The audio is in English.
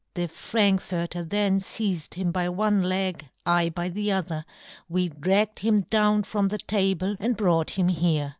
' The Frankforter then " feized him by one leg, I by the " other, we dragged him down from " the table and brought him here.